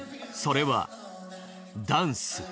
それはダンス。